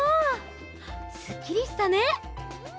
すっきりしたね！